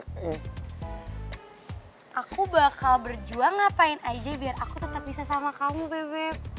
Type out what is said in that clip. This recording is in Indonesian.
aku bakal berjuang ngapain aja biar aku tetap bisa sama kamu bebe